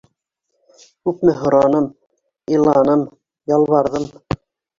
Күпме һораным, иланым, ялбарҙым.